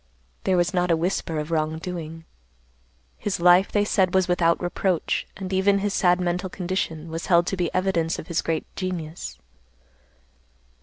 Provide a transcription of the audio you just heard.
There was not a whisper of wrong doing. His life, they said, was without reproach, and even his sad mental condition was held to be evidence of his great genius.